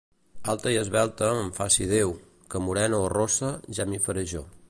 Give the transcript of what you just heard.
Alta i esvelta em faci Déu, que morena o rossa ja m'hi faré jo.